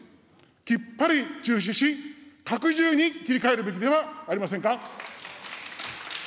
きっぱり中止し、拡充に切り替えるべきではありませんか。